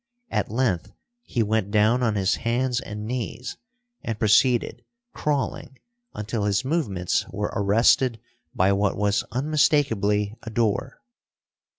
At length he went down on his hands and knees, and proceeded, crawling, until his movements were arrested by what was unmistakably a door.